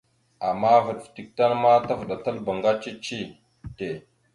Ama vaɗ fətek tan ma tavəɗataləbáŋga cici tte.